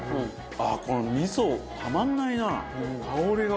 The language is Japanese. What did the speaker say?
ああこの味噌たまんないな。